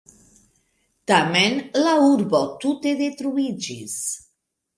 Tamen, la urbo tute detruiĝis.